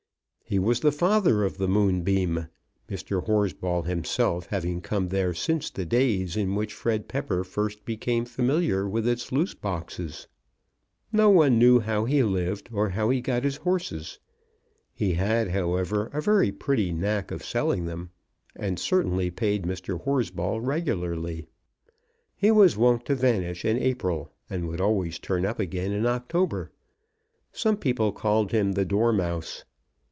He was the father of the Moonbeam, Mr. Horsball himself having come there since the days in which Fred Pepper first became familiar with its loose boxes. No one knew how he lived or how he got his horses. He had, however, a very pretty knack of selling them, and certainly paid Mr. Horsball regularly. He was wont to vanish in April, and would always turn up again in October. Some people called him the dormouse.